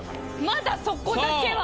まだそこだけは。